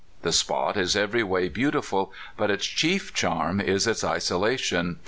The spot is every way beautiful, but its chief charm is its iso lation.